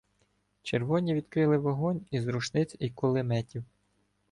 Червоні відкрили вогонь із рушниць і кулеметів.